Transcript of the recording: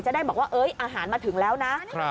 จะได้บอกว่าอาหารมาถึงแล้วนะ